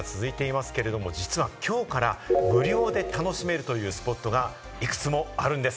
各地で混雑が続いていますが、実は今日から無料で楽しめるスポットがいくつもあるんです。